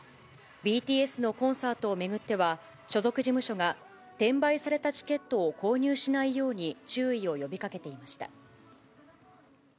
ＢＴＳのコンサートを巡っては、所属事務所が、転売されたチケットを購入しないように注意を呼びかけていました。